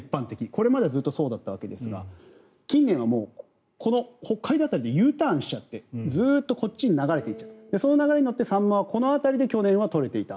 これまではずっとそうだったわけですが近年は北海道辺りでＵターンしちゃってずっとこっちに流れていっちゃうその流れに乗ってサンマはこの辺りで去年は取れていた。